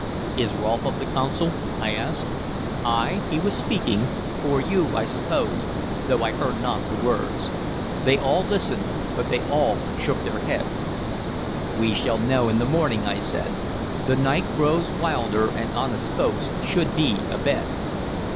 "Is Rolfe of the Council?" I asked. "Ay; he was speaking, for you, I suppose, though I heard not the words. They all listened, but they all shook their heads." "We shall know in the morning," I said. "The night grows wilder, and honest folks should be abed.